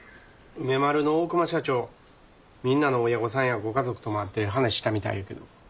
梅丸の大熊社長みんなの親御さんやご家族とも会って話したみたいやけど。